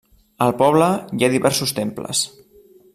Al poble hi ha diversos temples.